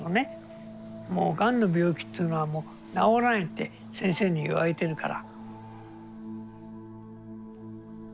もうがんの病気っていうのはもう治らないって先生に言われてるから。